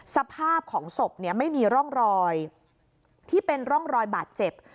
สภาพของศพเนี่ยไม่มีร่องรอยที่เป็นร่องรอยบาดเจ็บ